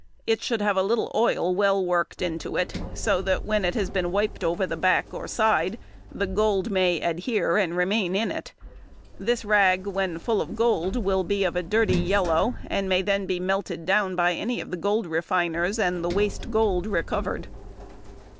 It should have a little oil well worked into it, so that when it has been wiped over the back or side the gold may adhere and remain in it. This rag when full of gold will be of a dirty yellow, and may then be melted down by any of the gold refiners and the waste gold recovered.